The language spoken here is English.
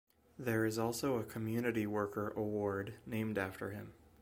There is also a Community Worker award named after him.